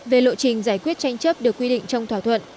về lộ trình giải quyết tranh chấp được quy định trong thỏa thuận